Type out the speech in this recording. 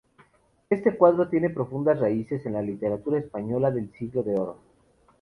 Este cuadro tiene profundas raíces en la literatura española del Siglo de Oro.